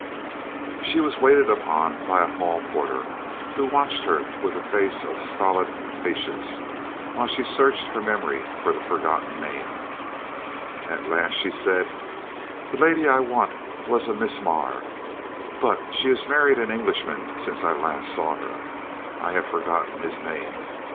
She was waited upon by a hall porter, who watched her with a face of stolid patience while she searched her memory for the forgotten name. At last she said: "The lady I want was a Miss Maré, but she has married an Englishman since last I saw her, and I have forgotten his name.